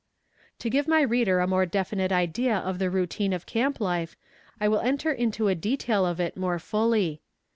To give my reader a more definite idea of the routine of camp life, I will enter into a detail of it more fully.